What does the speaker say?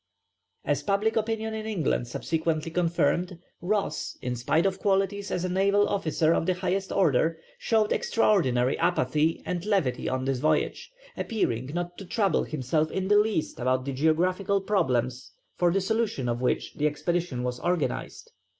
As public opinion in England subsequently confirmed, Ross, in spite of qualities as a naval officer of the highest order, showed extraordinary apathy and levity on this voyage, appearing not to trouble himself in the least about the geographical problems for the solution of which the expedition was organized.